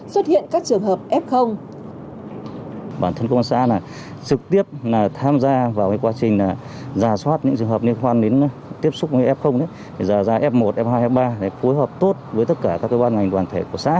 xuất hiện các trường hợp f